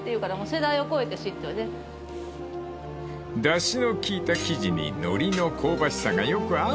［だしの効いた生地にノリの香ばしさがよく合うんだ］